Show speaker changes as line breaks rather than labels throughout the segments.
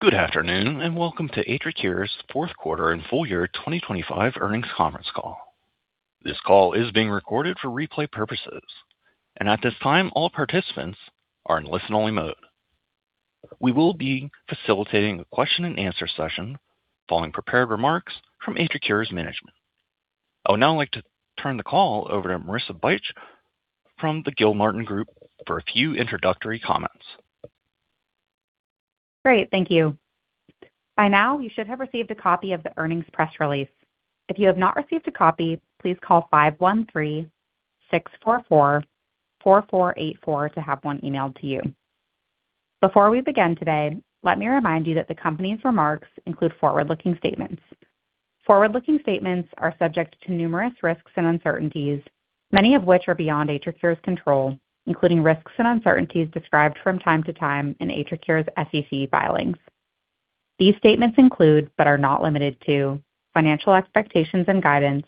Good afternoon, and welcome to AtriCure's fourth quarter and full year 2025 earnings conference call. This call is being recorded for replay purposes, and at this time, all participants are in listen-only mode. We will be facilitating a question-and-answer session following prepared remarks from AtriCure's management. I would now like to turn the call over to Marissa Bych from the Gilmartin Group for a few introductory comments.
Great, thank you. By now, you should have received a copy of the earnings press release. If you have not received a copy, please call 513-644-4484 to have one emailed to you. Before we begin today, let me remind you that the company's remarks include forward-looking statements. Forward-looking statements are subject to numerous risks and uncertainties, many of which are beyond AtriCure's control, including risks and uncertainties described from time to time in AtriCure's SEC filings. These statements include, but are not limited to, financial expectations and guidance,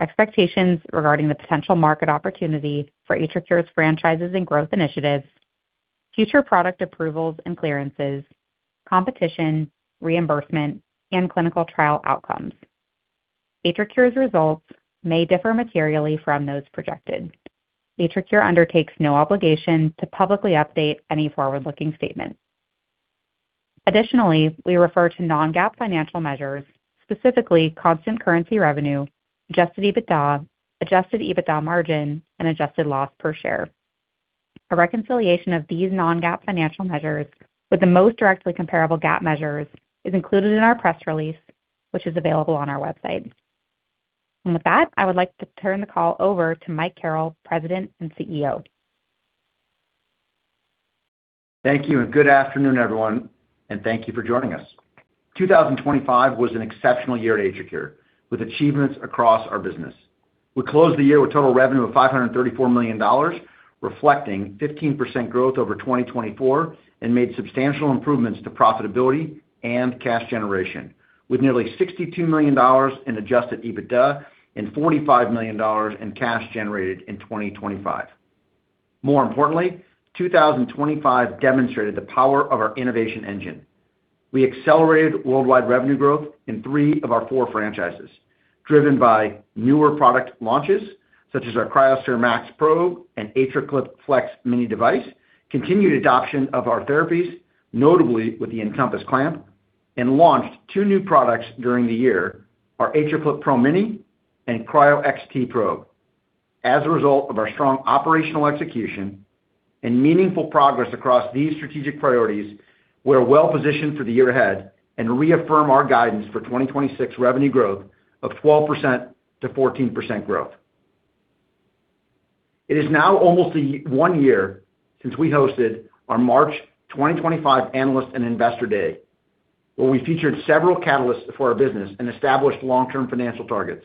expectations regarding the potential market opportunity for AtriCure's franchises and growth initiatives, future product approvals and clearances, competition, reimbursement, and clinical trial outcomes. AtriCure's results may differ materially from those projected. AtriCure undertakes no obligation to publicly update any forward-looking statement. Additionally, we refer to non-GAAP financial measures, specifically constant currency revenue, adjusted EBITDA, adjusted EBITDA margin, and adjusted loss per share. A reconciliation of these non-GAAP financial measures with the most directly comparable GAAP measures is included in our press release, which is available on our website. With that, I would like to turn the call over to Mike Carrel, President and CEO.
Thank you, and good afternoon, everyone, and thank you for joining us. 2025 was an exceptional year at AtriCure, with achievements across our business. We closed the year with total revenue of $534 million, reflecting 15% growth over 2024, and made substantial improvements to profitability and cash generation, with nearly $62 million in adjusted EBITDA and $45 million in cash generated in 2025. More importantly, 2025 demonstrated the power of our innovation engine. We accelerated worldwide revenue growth in three of our four franchises, driven by newer product launches, such as our cryoSPHERE MAX and AtriClip FLEX-Mini device, continued adoption of our therapies, notably with the EnCompass clamp, and launched two new products during the year, our AtriClip PRO-Mini and cryoXT probe. As a result of our strong operational execution and meaningful progress across these strategic priorities, we are well-positioned for the year ahead and reaffirm our guidance for 2026 revenue growth of 12%-14% growth. It is now almost one year since we hosted our March 2025 Analyst and Investor Day, where we featured several catalysts for our business and established long-term financial targets.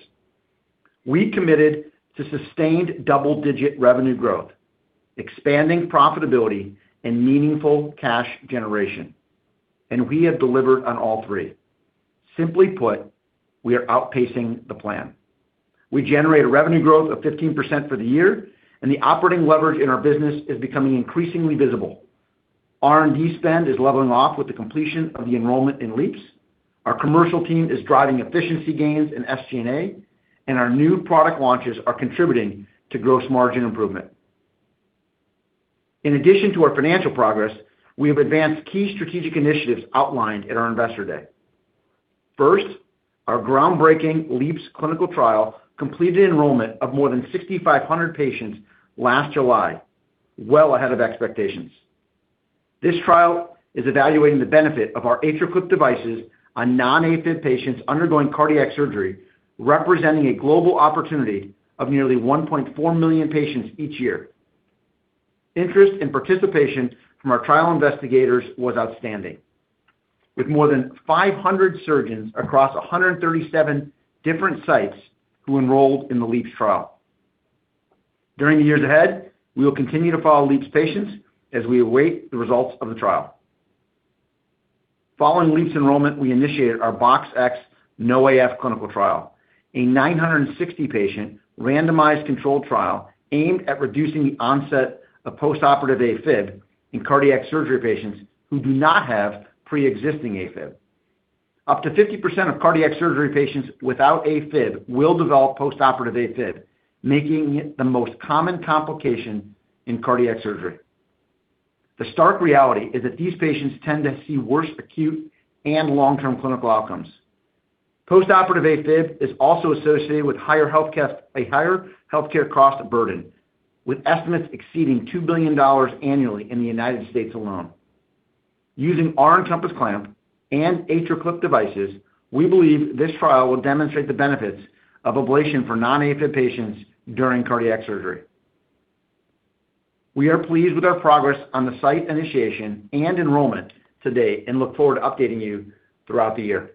We committed to sustained double-digit revenue growth, expanding profitability and meaningful cash generation, and we have delivered on all three. Simply put, we are outpacing the plan. We generated revenue growth of 15% for the year, and the operating leverage in our business is becoming increasingly visible. R&D spend is leveling off with the completion of the enrollment in LeAAPS. Our commercial team is driving efficiency gains in SG&A, and our new product launches are contributing to gross margin improvement. In addition to our financial progress, we have advanced key strategic initiatives outlined at our Investor Day. First, our groundbreaking LeAAPS clinical trial completed enrollment of more than 6,500 patients last July, well ahead of expectations. This trial is evaluating the benefit of our AtriClip devices on non-AFib patients undergoing cardiac surgery, representing a global opportunity of nearly 1.4 million patients each year. Interest and participation from our trial investigators was outstanding, with more than 500 surgeons across 137 different sites who enrolled in the LeAAPS trial. During the years ahead, we will continue to follow LeAAPS patients as we await the results of the trial. Following LeAAPS enrollment, we initiated our BoxX-NoAF clinical trial, a 960-patient randomized controlled trial aimed at reducing the onset of postoperative AFib in cardiac surgery patients who do not have pre-existing AFib. Up to 50% of cardiac surgery patients without AFib will develop postoperative AFib, making it the most common complication in cardiac surgery. The stark reality is that these patients tend to see worse acute and long-term clinical outcomes. Postoperative AFib is also associated with a higher healthcare cost burden, with estimates exceeding $2 billion annually in the United States alone. Using our EnCompass Clamp and AtriClip devices, we believe this trial will demonstrate the benefits of ablation for non-AFib patients during cardiac surgery. We are pleased with our progress on the site initiation and enrollment to date and look forward to updating you throughout the year.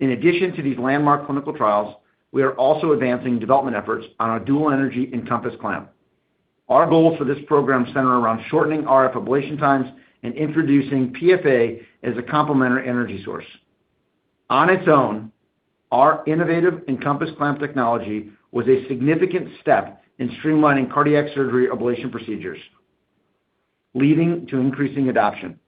In addition to these landmark clinical trials, we are also advancing development efforts on our dual-energy EnCompass Clamp. Our goals for this program center around shortening RF ablation times and introducing PFA as a complementary energy source. On its own, our innovative EnCompass Clamp technology was a significant step in streamlining cardiac surgery ablation procedures, leading to increasing adoption.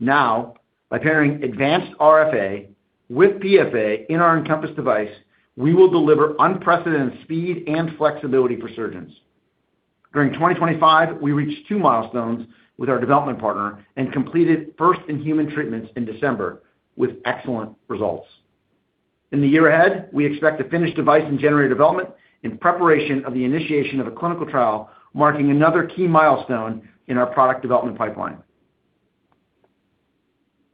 Now, by pairing advanced RFA with PFA in our EnCompass device, we will deliver unprecedented speed and flexibility for surgeons. During 2025, we reached two milestones with our development partner and completed first-in-human treatments in December with excellent results. In the year ahead, we expect to finish device and generate development in preparation of the initiation of a clinical trial, marking another key milestone in our product development pipeline.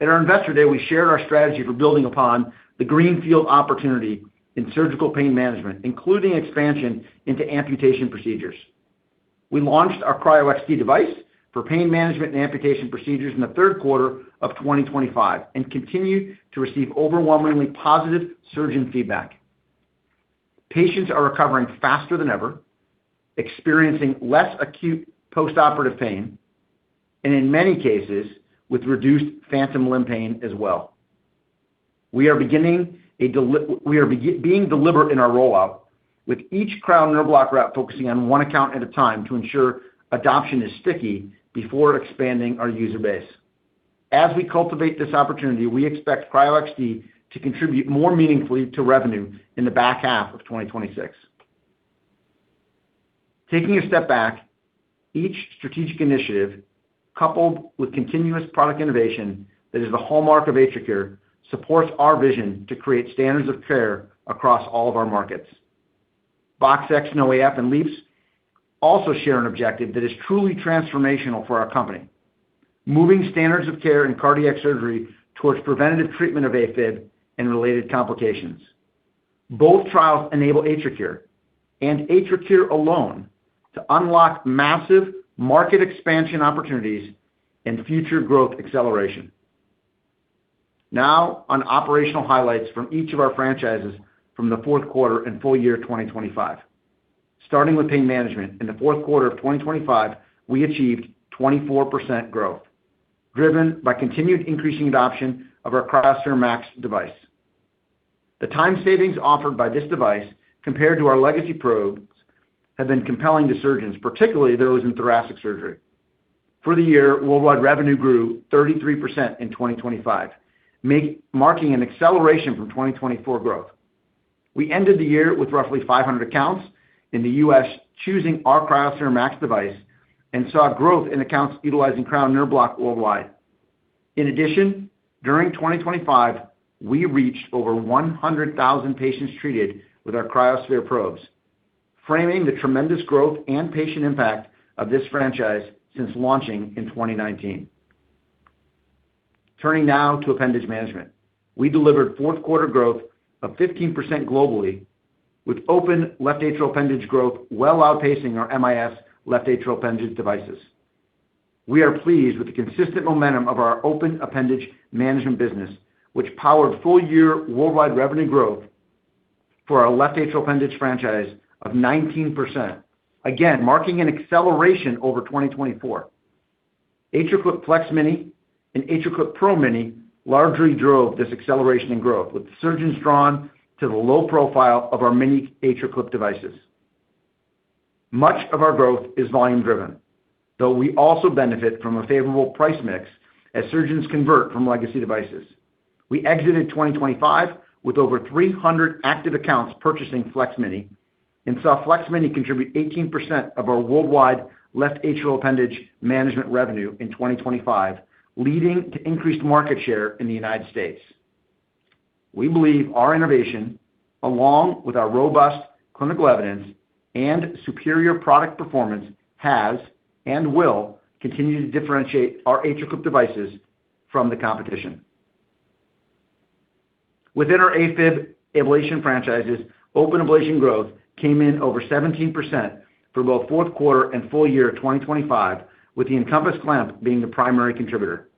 At our Investor Day, we shared our strategy for building upon the greenfield opportunity in surgical pain management, including expansion into amputation procedures. We launched our cryoXT device for pain management and amputation procedures in the third quarter of 2025, and continued to receive overwhelmingly positive surgeon feedback. Patients are recovering faster than ever, experiencing less acute postoperative pain, and in many cases, with reduced phantom limb pain as well. We are being deliberate in our rollout, with each Cryo Nerve Block rep focusing on one account at a time to ensure adoption is sticky before expanding our user base. As we cultivate this opportunity, we expect cryoXT to contribute more meaningfully to revenue in the back half of 2026. Taking a step back, each strategic initiative, coupled with continuous product innovation that is the hallmark of AtriCure, supports our vision to create standards of care across all of our markets. BoxX-NoAF and LeAAPS also share an objective that is truly transformational for our company, moving standards of care in cardiac surgery towards preventative treatment of AFib and related complications. Both trials enable AtriCure, and AtriCure alone, to unlock massive market expansion opportunities and future growth acceleration. Now, on operational highlights from each of our franchises from the fourth quarter and full year 2025. Starting with pain management, in the fourth quarter of 2025, we achieved 24% growth, driven by continued increasing adoption of our cryoSPHERE MAX device. The time savings offered by this device compared to our legacy probes have been compelling to surgeons, particularly those in thoracic surgery. For the year, worldwide revenue grew 33% in 2025, marking an acceleration from 2024 growth. We ended the year with roughly 500 accounts in the U.S., choosing our cryoSPHERE MAX device, and saw growth in accounts utilizing Cryo Nerve Block worldwide. In addition, during 2025, we reached over 100,000 patients treated with our cryoSPHERE probes, framing the tremendous growth and patient impact of this franchise since launching in 2019. Turning now to appendage management. We delivered fourth quarter growth of 15% globally, with open left atrial appendage growth well outpacing our MIS left atrial appendage devices. We are pleased with the consistent momentum of our open appendage management business, which powered full-year worldwide revenue growth for our left atrial appendage franchise of 19%, again, marking an acceleration over 2024. AtriClip FLEX-Mini and AtriClip PRO-Mini largely drove this acceleration in growth, with surgeons drawn to the low profile of our mini AtriClip devices. Much of our growth is volume-driven, though we also benefit from a favorable price mix as surgeons convert from legacy devices. We exited 2025 with over 300 active accounts purchasing FLEX-Mini, and saw FLEX-Mini contribute 18% of our worldwide left atrial appendage management revenue in 2025, leading to increased market share in the United States. We believe our innovation, along with our robust clinical evidence and superior product performance, has and will continue to differentiate our AtriClip devices from the competition. Within our AFib ablation franchises, open ablation growth came in over 17% for both fourth quarter and full year 2025, with the EnCompass Clamp being the primary contributor.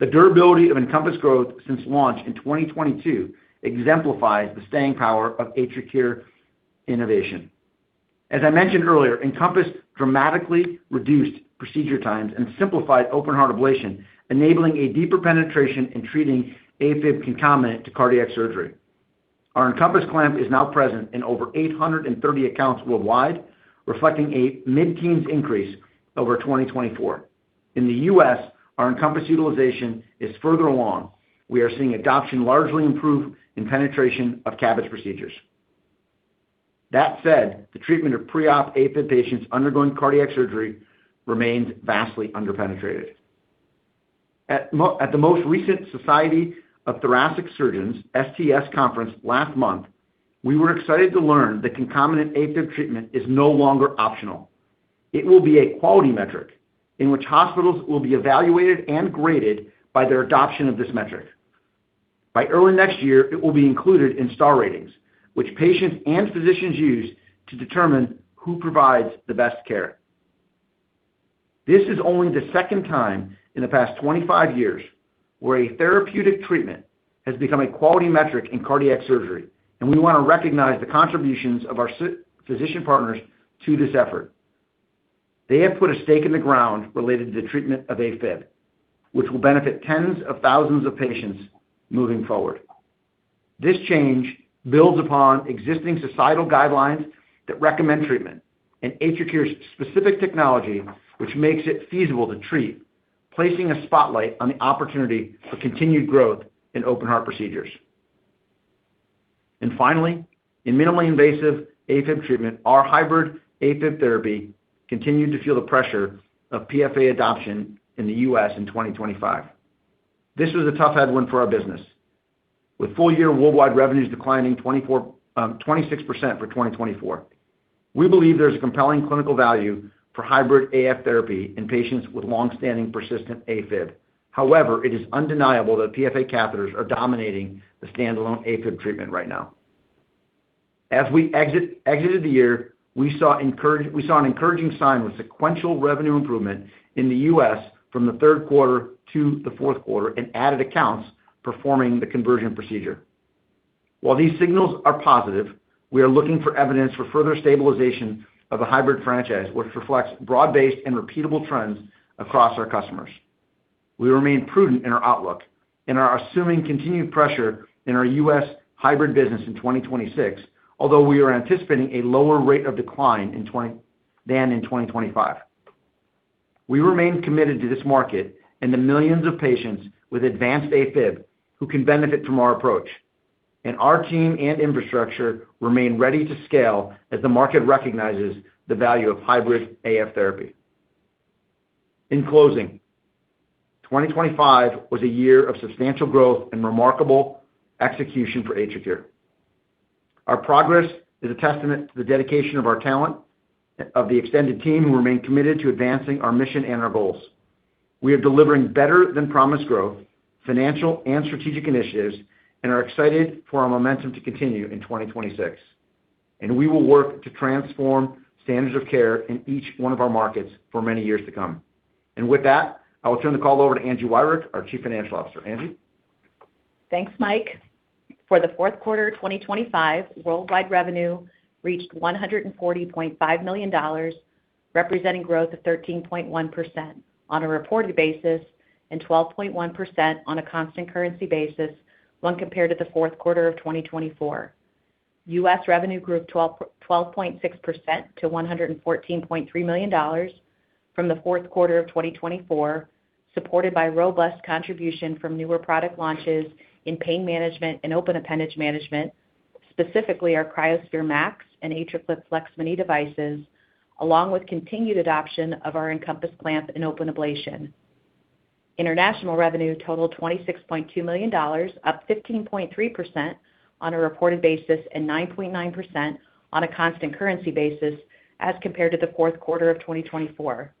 The durability of EnCompass growth since launch in 2022 exemplifies the staying power of AtriCure innovation. As I mentioned earlier, EnCompass dramatically reduced procedure times and simplified open-heart ablation, enabling a deeper penetration in treating AFib concomitant to cardiac surgery. Our EnCompass clamp is now present in over 830 accounts worldwide, reflecting a mid-teens increase over 2024. In the U.S., our EnCompass utilization is further along. We are seeing adoption largely improve in penetration of CABG procedures. That said, the treatment of pre-op AFib patients undergoing cardiac surgery remains vastly underpenetrated. At the most recent Society of Thoracic Surgeons, STS, conference last month, we were excited to learn that concomitant AFib treatment is no longer optional. It will be a quality metric in which hospitals will be evaluated and graded by their adoption of this metric. By early next year, it will be included in star ratings, which patients and physicians use to determine who provides the best care. This is only the second time in the past 25 years where a therapeutic treatment has become a quality metric in cardiac surgery, and we want to recognize the contributions of our physician partners to this effort. They have put a stake in the ground related to the treatment of AFib, which will benefit tens of thousands of patients moving forward. This change builds upon existing societal guidelines that recommend treatment and AtriCure's specific technology, which makes it feasible to treat, placing a spotlight on the opportunity for continued growth in open heart procedures. And finally, in minimally invasive AFib treatment, our Hybrid AFib therapy continued to feel the pressure of PFA adoption in the U.S. in 2025. This was a tough headwind for our business, with full-year worldwide revenues declining 26% for 2024. We believe there's a compelling clinical value for Hybrid AF therapy in patients with long-standing persistent AFib. However, it is undeniable that PFA catheters are dominating the standalone AFib treatment right now. As we exited the year, we saw an encouraging sign with sequential revenue improvement in the U.S. from the third quarter to the fourth quarter, and added accounts performing the conversion procedure. While these signals are positive, we are looking for evidence for further stabilization of a hybrid franchise, which reflects broad-based and repeatable trends across our customers. We remain prudent in our outlook and are assuming continued pressure in our U.S. hybrid business in 2026, although we are anticipating a lower rate of decline in 2026 than in 2025. We remain committed to this market and the millions of patients with advanced AFib who can benefit from our approach, and our team and infrastructure remain ready to scale as the market recognizes the value of Hybrid AF Therapy. In closing, 2025 was a year of substantial growth and remarkable execution for AtriCure. Our progress is a testament to the dedication of our talent, of the extended team, who remain committed to advancing our mission and our goals. We are delivering better than promised growth, financial and strategic initiatives, and are excited for our momentum to continue in 2026. And we will work to transform standards of care in each one of our markets for many years to come. And with that, I will turn the call over to Angie Wirick, our Chief Financial Officer. Angie?
Thanks, Mike. For the fourth quarter of 2025, worldwide revenue reached $140.5 million, representing growth of 13.1% on a reported basis and 12.1% on a constant currency basis when compared to the fourth quarter of 2024. U.S. revenue grew 12.6% to $114.3 million from the fourth quarter of 2024, supported by robust contribution from newer product launches in pain management and open appendage management, specifically our cryoSPHERE MAX and AtriClip FLEX-Mini devices, along with continued adoption of our EnCompass Clamp in open ablation. International revenue totaled $26.2 million, up 15.3% on a reported basis and 9.9% on a constant currency basis as compared to the fourth quarter of 2024.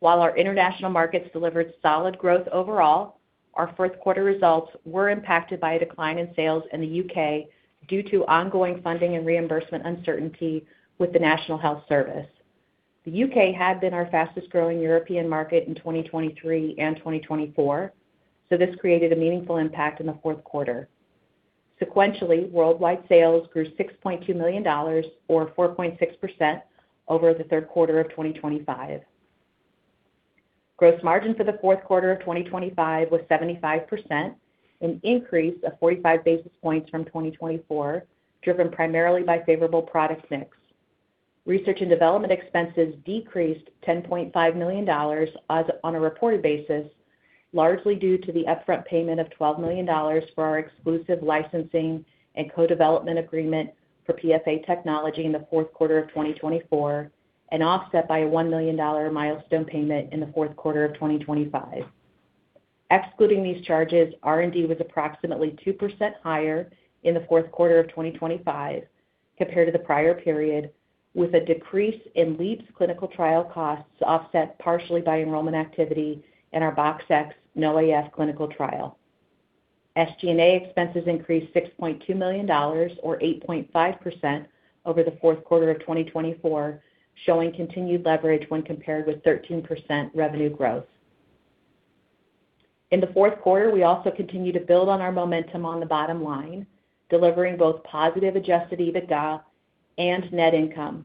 While our international markets delivered solid growth overall, our fourth quarter results were impacted by a decline in sales in the U.K. due to ongoing funding and reimbursement uncertainty with the National Health Service. The U.K. had been our fastest-growing European market in 2023 and 2024, so this created a meaningful impact in the fourth quarter. Sequentially, worldwide sales grew $6.2 million, or 4.6% over the third quarter of 2025. Gross margin for the fourth quarter of 2025 was 75%, an increase of 45 basis points from 2024, driven primarily by favorable product mix. Research and development expenses decreased $10.5 million on a reported basis, largely due to the upfront payment of $12 million for our exclusive licensing and co-development agreement for PFA technology in the fourth quarter of 2024, and offset by a $1 million milestone payment in the fourth quarter of 2025. Excluding these charges, R&D was approximately 2% higher in the fourth quarter of 2025 compared to the prior period, with a decrease in LeAAPS clinical trial costs offset partially by enrollment activity in our BoxX-NoAF clinical trial. SG&A expenses increased $6.2 million, or 8.5%, over the fourth quarter of 2024, showing continued leverage when compared with 13% revenue growth. In the fourth quarter, we also continued to build on our momentum on the bottom line, delivering both positive adjusted EBITDA and net income.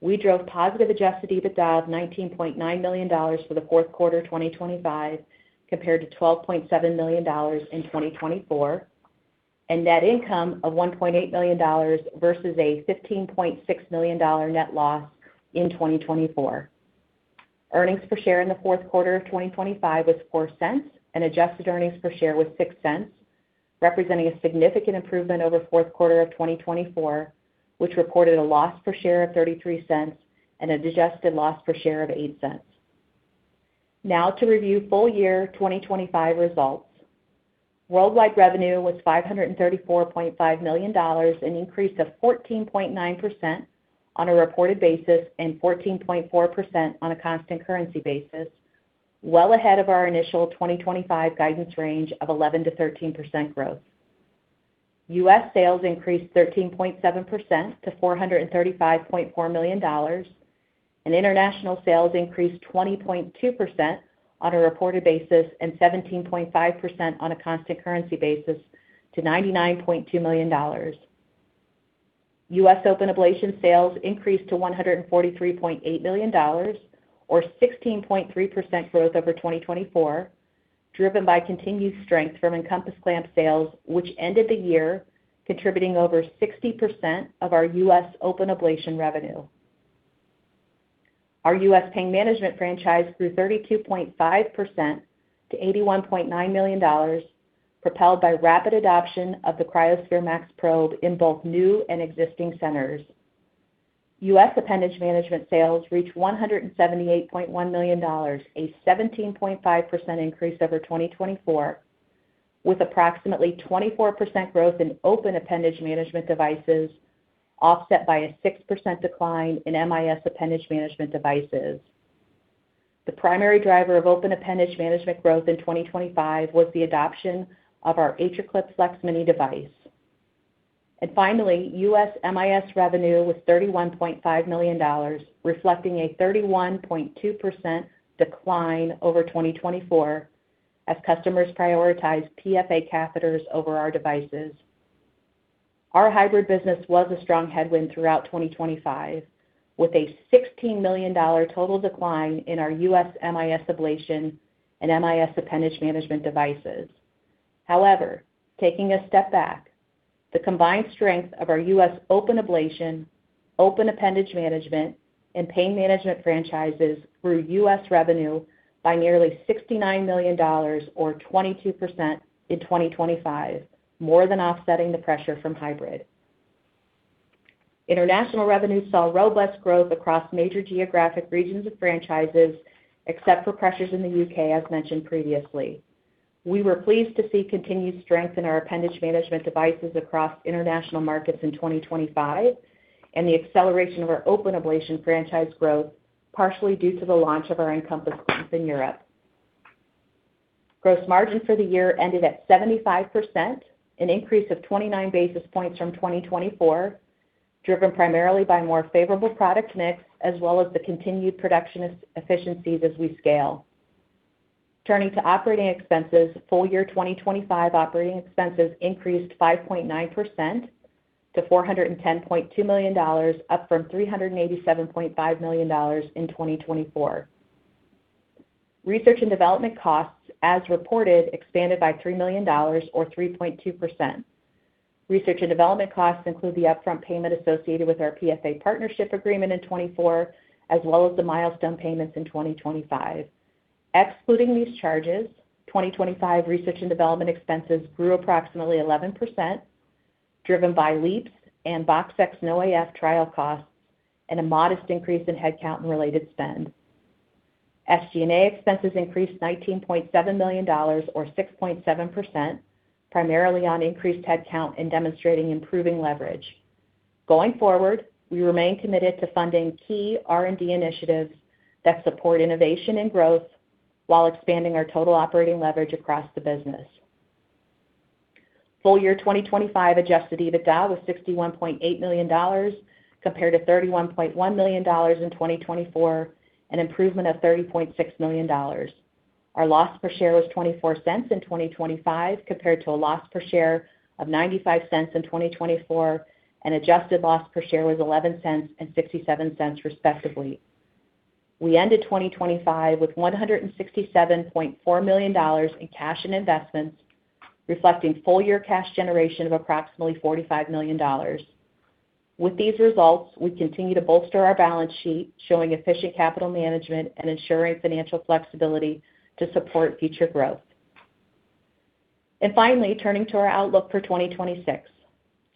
We drove positive adjusted EBITDA of $19.9 million for the fourth quarter of 2025, compared to $12.7 million in 2024, and net income of $1.8 million versus a $15.6 million net loss in 2024. Earnings per share in the fourth quarter of 2025 was $0.04, and adjusted earnings per share was $0.06, representing a significant improvement over fourth quarter of 2024, which reported a loss per share of $0.33 and an adjusted loss per share of $0.08. Now to review full year 2025 results. Worldwide revenue was $534.5 million, an increase of 14.9% on a reported basis and 14.4% on a constant currency basis, well ahead of our initial 2025 guidance range of 11%-13% growth. U.S. sales increased 13.7% to $435.4 million, and international sales increased 20.2% on a reported basis and 17.5% on a constant currency basis to $99.2 million. U.S. open ablation sales increased to $143.8 million, or 16.3% growth over 2024, driven by continued strength from EnCompass Clamp sales, which ended the year contributing over 60% of our U.S. open ablation revenue. Our U.S. pain management franchise grew 32.5% to $81.9 million, propelled by rapid adoption of the cryoSPHERE MAX probe in both new and existing centers. U.S. appendage management sales reached $178.1 million, a 17.5% increase over 2024, with approximately 24% growth in open appendage management devices, offset by a 6% decline in MIS appendage management devices. The primary driver of open appendage management growth in 2025 was the adoption of our AtriClip FLEX-Mini device. Finally, U.S. MIS revenue was $31.5 million, reflecting a 31.2% decline over 2024 as customers prioritized PFA catheters over our devices. Our hybrid business was a strong headwind throughout 2025, with a $16 million total decline in our U.S. MIS ablation and MIS appendage management devices. However, taking a step back, the combined strength of our U.S. open ablation, open appendage management, and pain management franchises grew U.S. revenue by nearly $69 million or 22% in 2025, more than offsetting the pressure from hybrid. International revenue saw robust growth across major geographic regions of franchises, except for pressures in the U.K., as mentioned previously. We were pleased to see continued strength in our appendage management devices across international markets in 2025 and the acceleration of our open ablation franchise growth, partially due to the launch of our EnCompass Clamps in Europe. Gross margin for the year ended at 75%, an increase of 29 basis points from 2024, driven primarily by more favorable product mix as well as the continued production efficiencies as we scale. Turning to operating expenses, full year 2025 operating expenses increased 5.9% to $410.2 million, up from $387.5 million in 2024. Research and development costs, as reported, expanded by $3 million or 3.2%. Research and development costs include the upfront payment associated with our PFA partnership agreement in 2024, as well as the milestone payments in 2025. Excluding these charges, 2025 research and development expenses grew approximately 11%, driven by LeAAPS and BoxX-NoAF trial costs and a modest increase in headcount and related spend. SG&A expenses increased $19.7 million or 6.7%, primarily on increased headcount and demonstrating improving leverage. Going forward, we remain committed to funding key R&D initiatives that support innovation and growth while expanding our total operating leverage across the business. Full year 2025 adjusted EBITDA was $61.8 million compared to $31.1 million in 2024, an improvement of $30.6 million. Our loss per share was $0.24 in 2025, compared to a loss per share of $0.95 in 2024, and adjusted loss per share was $0.11 and $0.67, respectively. We ended 2025 with $167.4 million in cash and investments, reflecting full-year cash generation of approximately $45 million. With these results, we continue to bolster our balance sheet, showing efficient capital management and ensuring financial flexibility to support future growth. And finally, turning to our outlook for 2026.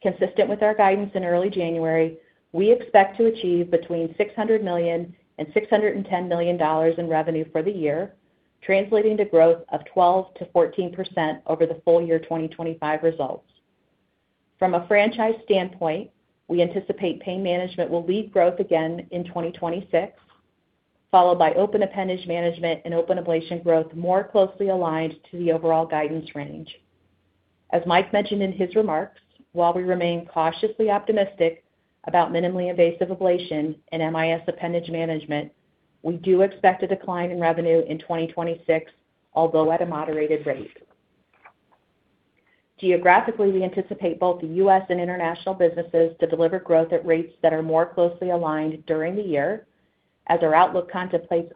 Consistent with our guidance in early January, we expect to achieve between $600 million and $610 million in revenue for the year, translating to growth of 12%-14% over the full year 2025 results. From a franchise standpoint, we anticipate pain management will lead growth again in 2026, followed by open appendage management and open ablation growth more closely aligned to the overall guidance range. As Mike mentioned in his remarks, while we remain cautiously optimistic about minimally invasive ablation and MIS appendage management, we do expect a decline in revenue in 2026, although at a moderated rate. Geographically, we anticipate both the U.S. and international businesses to deliver growth at rates that are more closely aligned during the year, as our outlook contemplates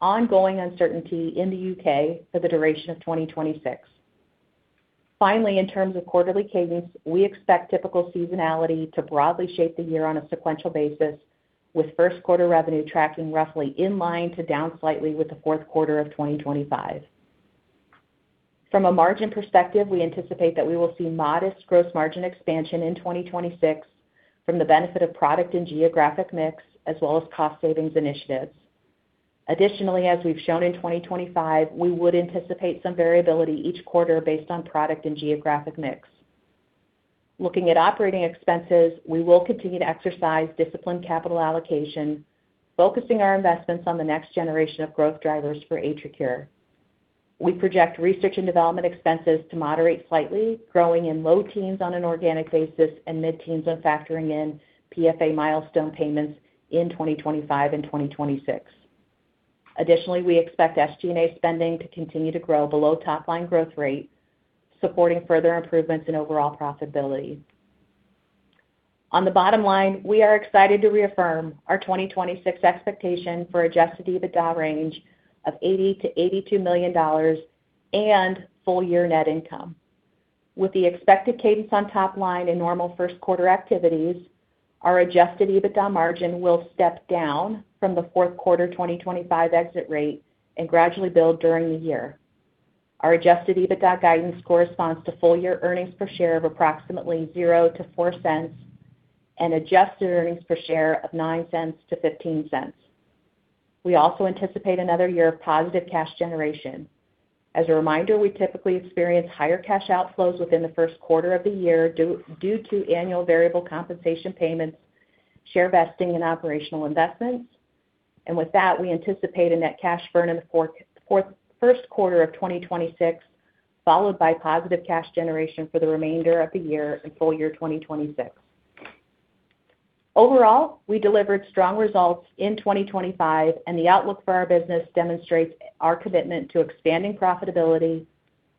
ongoing uncertainty in the U.K. for the duration of 2026. Finally, in terms of quarterly cadence, we expect typical seasonality to broadly shape the year on a sequential basis, with first quarter revenue tracking roughly in line to down slightly with the fourth quarter of 2025. From a margin perspective, we anticipate that we will see modest gross margin expansion in 2026 from the benefit of product and geographic mix, as well as cost savings initiatives. Additionally, as we've shown in 2025, we would anticipate some variability each quarter based on product and geographic mix. Looking at operating expenses, we will continue to exercise disciplined capital allocation, focusing our investments on the next generation of growth drivers for AtriCure. We project research and development expenses to moderate slightly, growing in low teens on an organic basis and mid-teens on factoring in PFA milestone payments in 2025 and 2026.... Additionally, we expect SG&A spending to continue to grow below top-line growth rate, supporting further improvements in overall profitability. On the bottom line, we are excited to reaffirm our 2026 expectation for adjusted EBITDA range of $80 million-$82 million and full-year net income. With the expected cadence on top line and normal first quarter activities, our adjusted EBITDA margin will step down from the fourth quarter 2025 exit rate and gradually build during the year. Our adjusted EBITDA guidance corresponds to full-year earnings per share of approximately $0.00-$0.04 and adjusted earnings per share of $0.09-$0.15. We also anticipate another year of positive cash generation. As a reminder, we typically experience higher cash outflows within the first quarter of the year due to annual variable compensation payments, share vesting and operational investments. And with that, we anticipate a net cash burn in the first quarter of 2026, followed by positive cash generation for the remainder of the year and full year 2026. Overall, we delivered strong results in 2025, and the outlook for our business demonstrates our commitment to expanding profitability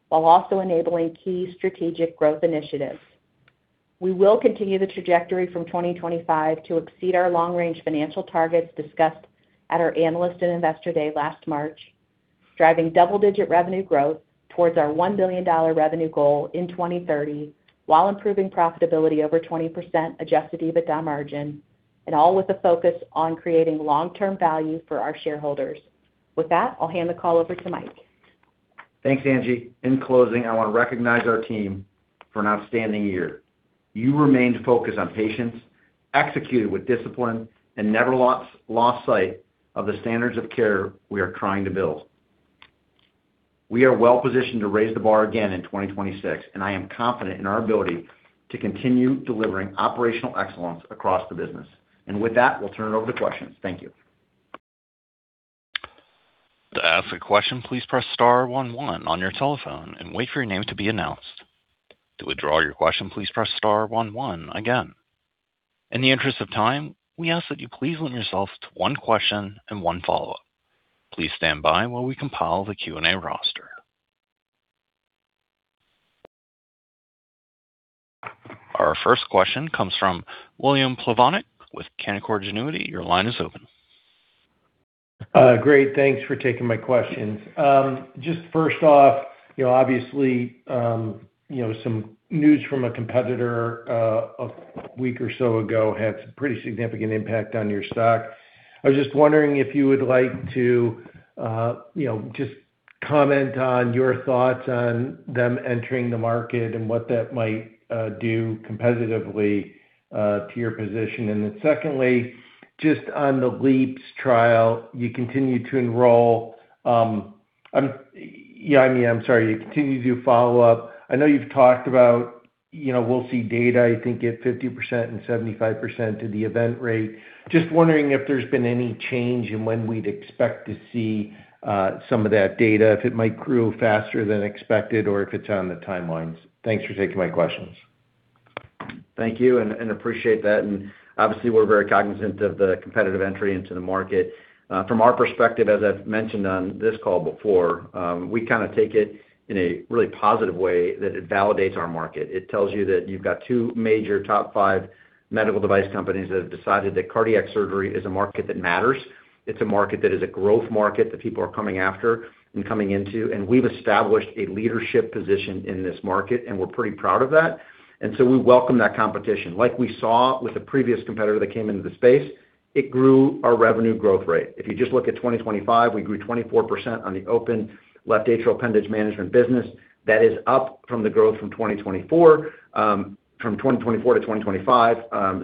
while also enabling key strategic growth initiatives. We will continue the trajectory from 2025 to exceed our long-range financial targets discussed at our Analyst and Investor Day last March, driving double-digit revenue growth towards our $1 billion revenue goal in 2030, while improving profitability over 20% Adjusted EBITDA margin, and all with a focus on creating long-term value for our shareholders. With that, I'll hand the call over to Mike.
Thanks, Angie. In closing, I want to recognize our team for an outstanding year. You remained focused on patients, executed with discipline, and never lost sight of the standards of care we are trying to build. We are well-positioned to raise the bar again in 2026, and I am confident in our ability to continue delivering operational excellence across the business. And with that, we'll turn it over to questions. Thank you.
To ask a question, please press star one one on your telephone and wait for your name to be announced. To withdraw your question, please press star one one again. In the interest of time, we ask that you please limit yourself to one question and one follow-up. Please stand by while we compile the Q&A roster. Our first question comes from William Plovanic with Canaccord Genuity. Your line is open.
Great, thanks for taking my questions. Just first off, you know, obviously, you know, some news from a competitor, a week or so ago had some pretty significant impact on your stock. I was just wondering if you would like to, you know, just comment on your thoughts on them entering the market and what that might, do competitively, to your position. And then secondly, just on the LeAAPS trial, you continue to do follow-up. I know you've talked about, you know, we'll see data, I think, at 50% and 75% of the event rate. Just wondering if there's been any change in when we'd expect to see some of that data, if it might grow faster than expected, or if it's on the timelines. Thanks for taking my questions.
Thank you, and appreciate that. Obviously, we're very cognizant of the competitive entry into the market. From our perspective, as I've mentioned on this call before, we kind of take it in a really positive way, that it validates our market. It tells you that you've got two major top five medical device companies that have decided that cardiac surgery is a market that matters. It's a market that is a growth market that people are coming after and coming into, and we've established a leadership position in this market, and we're pretty proud of that. So we welcome that competition. Like we saw with the previous competitor that came into the space, it grew our revenue growth rate. If you just look at 2025, we grew 24% on the open left atrial appendage management business. That is up from the growth from 2024, from 2024 to 2025.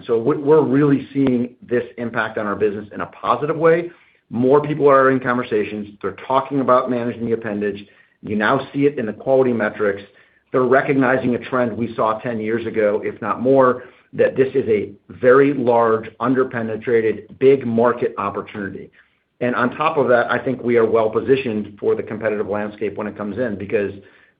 So we're really seeing this impact on our business in a positive way. More people are in conversations. They're talking about managing the appendage. You now see it in the quality metrics. They're recognizing a trend we saw 10 years ago, if not more, that this is a very large, under-penetrated, big market opportunity. And on top of that, I think we are well-positioned for the competitive landscape when it comes in, because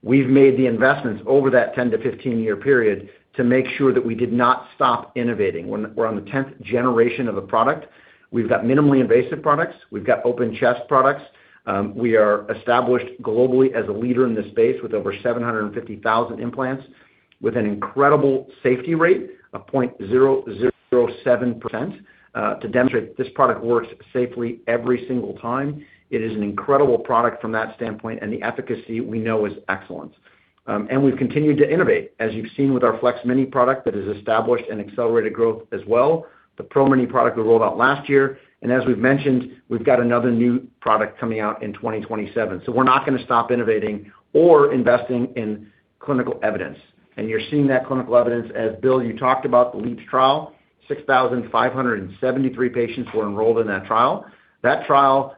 we've made the investments over that 10- to 15-year period to make sure that we did not stop innovating. We're on the 10th generation of a product. We've got minimally invasive products. We've got open chest products. We are established globally as a leader in this space, with over 750,000 implants, with an incredible safety rate of 0.007%, to demonstrate this product works safely every single time. It is an incredible product from that standpoint, and the efficacy we know is excellent. We've continued to innovate, as you've seen with our FLEX-Mini product that has established and accelerated growth as well, the PRO-Mini product we rolled out last year. As we've mentioned, we've got another new product coming out in 2027. So we're not going to stop innovating or investing in clinical evidence. You're seeing that clinical evidence as, Bill, you talked about the LeAAPS trial, 6,573 patients were enrolled in that trial. That trial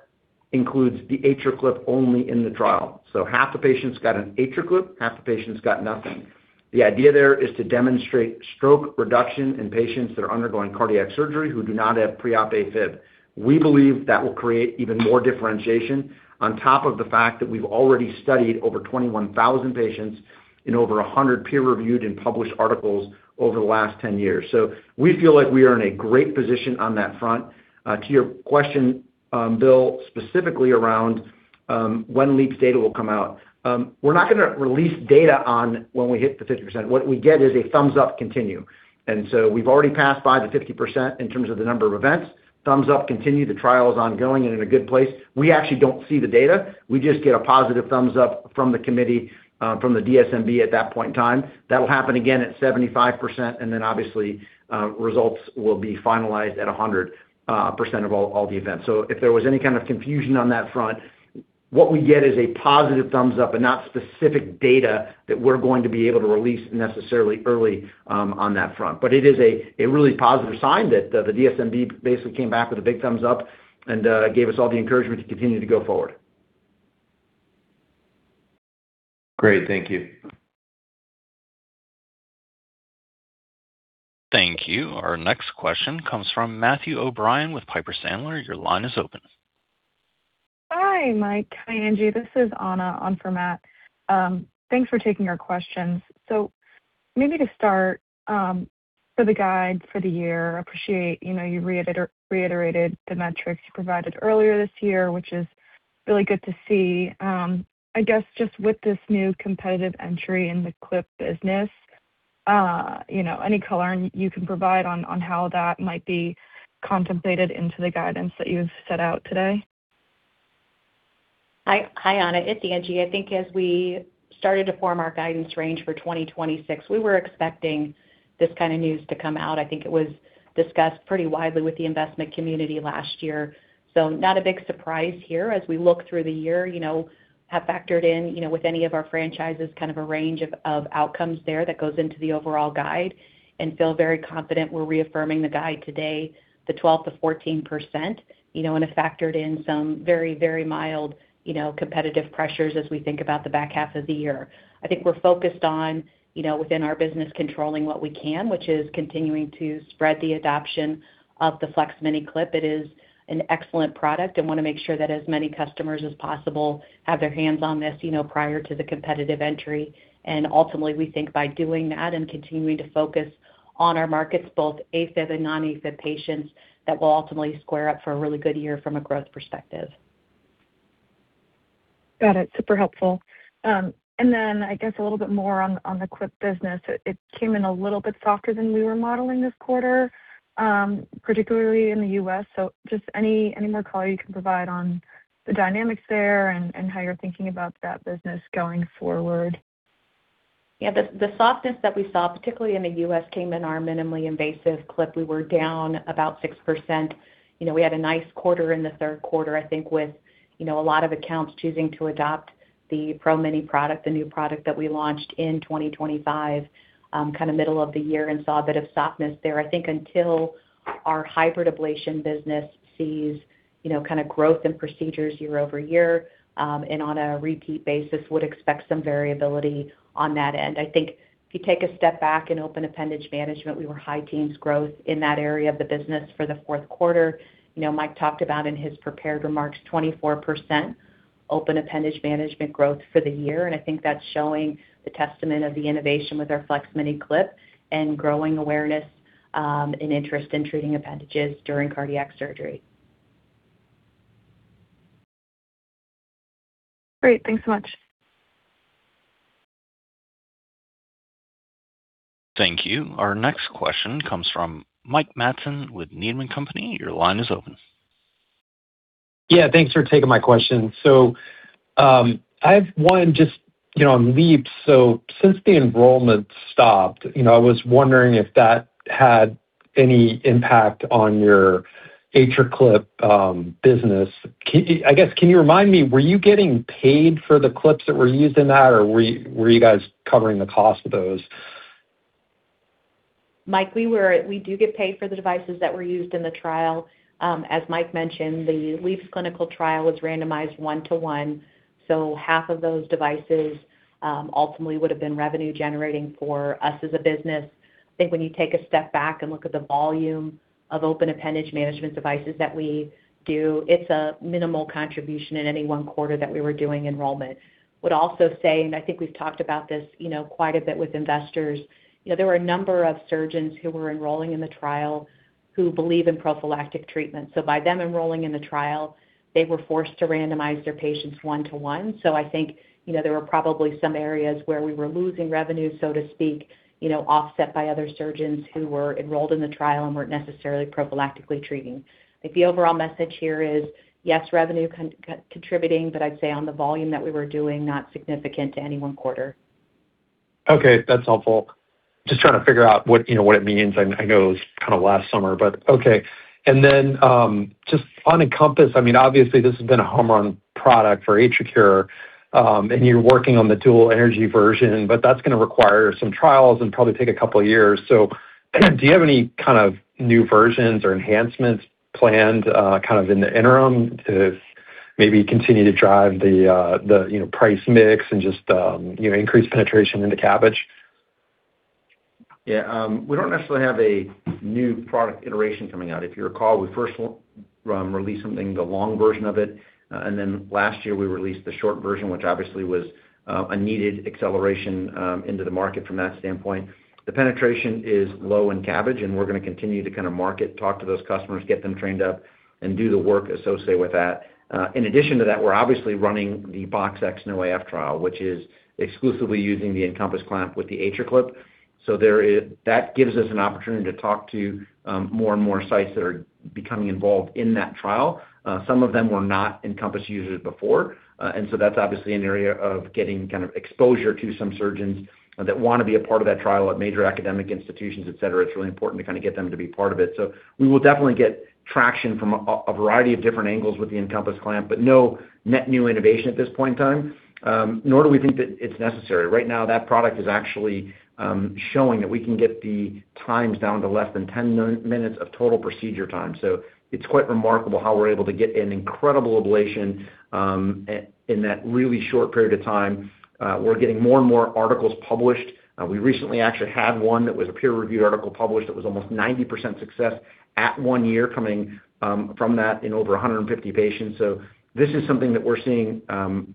includes the AtriClip only in the trial. So half the patients got an AtriClip, half the patients got nothing. The idea there is to demonstrate stroke reduction in patients that are undergoing cardiac surgery who do not have preop AFib. We believe that will create even more differentiation on top of the fact that we've already studied over 21,000 patients in over 100 peer-reviewed and published articles over the last 10 years. So we feel like we are in a great position on that front. To your question, Bill, specifically around-... when LeAAPS data will come out. We're not going to release data on when we hit the 50%. What we get is a thumbs up continue, and so we've already passed by the 50% in terms of the number of events. Thumbs up, continue. The trial is ongoing and in a good place. We actually don't see the data. We just get a positive thumbs up from the committee, from the DSMB at that point in time. That'll happen again at 75%, and then obviously, results will be finalized at a 100% of all, all the events. So if there was any kind of confusion on that front, what we get is a positive thumbs up and not specific data that we're going to be able to release necessarily early, on that front. But it is a really positive sign that the DSMB basically came back with a big thumbs up and gave us all the encouragement to continue to go forward.
Great. Thank you.
Thank you. Our next question comes from Matthew O'Brien with Piper Sandler. Your line is open.
Hi, Mike. Hi, Angie. This is Anna on for Matt. Thanks for taking our questions. So maybe to start, for the guide for the year, appreciate, you know, you reiterated the metrics you provided earlier this year, which is really good to see. I guess, just with this new competitive entry in the clip business, you know, any color you can provide on, on how that might be contemplated into the guidance that you've set out today?
Hi, hi, Anna. It's Angie. I think as we started to form our guidance range for 2026, we were expecting this kind of news to come out. I think it was discussed pretty widely with the investment community last year. So not a big surprise here as we look through the year, you know, have factored in, you know, with any of our franchises, kind of a range of outcomes there that goes into the overall guide and feel very confident we're reaffirming the guide today, the 12%-14%, you know, and have factored in some very, very mild, you know, competitive pressures as we think about the back half of the year. I think we're focused on, you know, within our business, controlling what we can, which is continuing to spread the adoption of the FLEX-Mini clip. It is an excellent product and want to make sure that as many customers as possible have their hands on this, you know, prior to the competitive entry. Ultimately, we think by doing that and continuing to focus on our markets, both AFib and non-AFib patients, that will ultimately square up for a really good year from a growth perspective.
Got it. Super helpful. And then I guess a little bit more on, on the clip business. It, it came in a little bit softer than we were modeling this quarter, particularly in the U.S. So just any, any more color you can provide on the dynamics there and, and how you're thinking about that business going forward?
Yeah, the softness that we saw, particularly in the U.S., came in our minimally invasive clip. We were down about 6%. You know, we had a nice quarter in the third quarter, I think with, you know, a lot of accounts choosing to adopt the PRO-Mini product, the new product that we launched in 2025, kind of middle of the year, and saw a bit of softness there. I think until our hybrid ablation business sees, you know, kind of growth in procedures year-over-year, and on a repeat basis, would expect some variability on that end. I think if you take a step back in open appendage management, we were high teens growth in that area of the business for the fourth quarter. You know, Mike talked about in his prepared remarks, 24% open appendage management growth for the year, and I think that's showing the testament of the innovation with our FLEX-Mini clip and growing awareness, and interest in treating appendages during cardiac surgery.
Great. Thanks so much.
Thank you. Our next question comes from Mike Matson with Needham & Company. Your line is open.
Yeah, thanks for taking my question. So, I have one just, you know, on LeAAPS. So since the enrollment stopped, you know, I was wondering if that had any impact on your AtriClip business. Can you—I guess, can you remind me, were you getting paid for the clips that were used in that, or were you, were you guys covering the cost of those?
Mike, we do get paid for the devices that were used in the trial. As Mike mentioned, the LeAAPS clinical trial was randomized 1-to-1, so half of those devices ultimately would have been revenue generating for us as a business. I think when you take a step back and look at the volume of open appendage management devices that we do, it's a minimal contribution in any one quarter that we were doing enrollment. I would also say, and I think we've talked about this, you know, quite a bit with investors, you know, there were a number of surgeons who were enrolling in the trial who believe in prophylactic treatment. So by them enrolling in the trial, they were forced to randomize their patients 1-to-1. So I think, you know, there were probably some areas where we were losing revenue, so to speak, you know, offset by other surgeons who were enrolled in the trial and weren't necessarily prophylactically treating. I think the overall message here is, yes, revenue contributing, but I'd say on the volume that we were doing, not significant to any one quarter.
Okay, that's helpful. Just trying to figure out what, you know, what it means. I know it was kind of last summer, but okay. And then, just on EnCompass, I mean, obviously this has been a home run product for AtriCure, and you're working on the dual energy version, but that's going to require some trials and probably take a couple of years. So do you have any kind of new versions or enhancements planned, kind of in the interim to maybe continue to drive the, you know, price mix and just, you know, increase penetration into CABG?...
Yeah, we don't necessarily have a new product iteration coming out. If you recall, we first released something, the long version of it, and then last year, we released the short version, which obviously was a needed acceleration into the market from that standpoint. The penetration is low in CABG, and we're going to continue to kind of market, talk to those customers, get them trained up, and do the work associated with that. In addition to that, we're obviously running the BoxX-NoAF trial, which is exclusively using the EnCompass clamp with the AtriClip. So there is that gives us an opportunity to talk to more and more sites that are becoming involved in that trial. Some of them were not EnCompass users before, and so that's obviously an area of getting kind of exposure to some surgeons that want to be a part of that trial at major academic institutions, et cetera. It's really important to kind of get them to be part of it. So we will definitely get traction from a variety of different angles with the EnCompass Clamp, but no net new innovation at this point in time, nor do we think that it's necessary. Right now, that product is actually showing that we can get the times down to less than 10 minutes of total procedure time. So it's quite remarkable how we're able to get an incredible ablation in that really short period of time. We're getting more and more articles published. We recently actually had one that was a peer-reviewed article published that was almost 90% success at one year, coming from that in over 150 patients. So this is something that we're seeing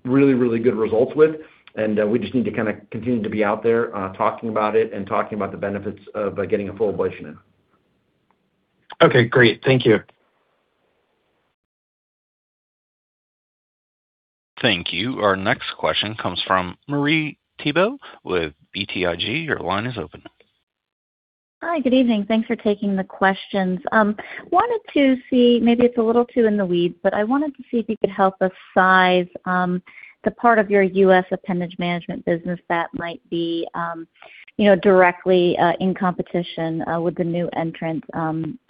really, really good results with, and we just need to kind of continue to be out there talking about it and talking about the benefits of getting a full ablation in.
Okay, great. Thank you.
Thank you. Our next question comes from Marie Thibault with BTIG. Your line is open.
Hi, good evening. Thanks for taking the questions. Wanted to see, maybe it's a little too in the weeds, but I wanted to see if you could help us size the part of your U.S. appendage management business that might be, you know, directly in competition with the new entrants.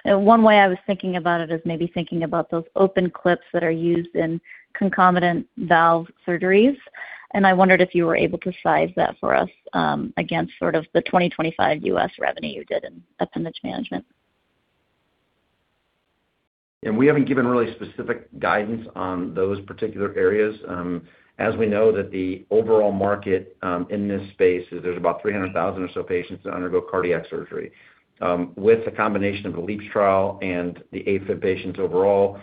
One way I was thinking about it is maybe thinking about those open clips that are used in concomitant valve surgeries. I wondered if you were able to size that for us against sort of the 2025 U.S. revenue you did in appendage management.
We haven't given really specific guidance on those particular areas. As we know that the overall market in this space is there's about 300,000 or so patients that undergo cardiac surgery. With the combination of the LeAAPS trial and the AFib patients overall,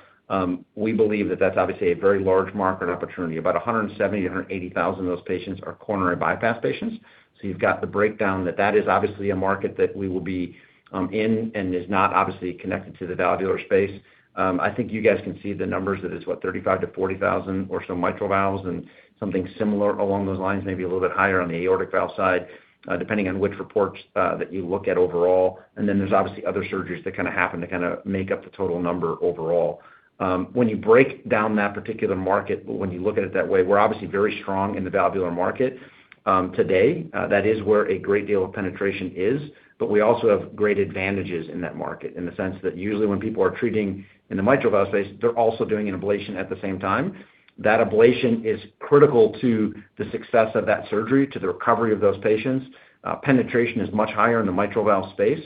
we believe that that's obviously a very large market opportunity. About 170,000-180,000 of those patients are coronary bypass patients. So you've got the breakdown that that is obviously a market that we will be in and is not obviously connected to the valvular space. I think you guys can see the numbers that it's what? 35,000-40,000 or so mitral valves and something similar along those lines, maybe a little bit higher on the aortic valve side, depending on which reports that you look at overall. Then there's obviously other surgeries that kind of happen to kind of make up the total number overall. When you break down that particular market, when you look at it that way, we're obviously very strong in the valvular market today. That is where a great deal of penetration is, but we also have great advantages in that market, in the sense that usually when people are treating in the mitral valve space, they're also doing an ablation at the same time. That ablation is critical to the success of that surgery, to the recovery of those patients. Penetration is much higher in the mitral valve space.